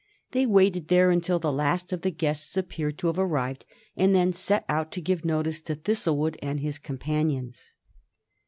They waited there until the last of the guests appeared to have arrived, and then set out to give notice to Thistlewood and his companions.